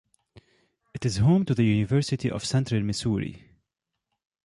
It is home to the University of Central Missouri.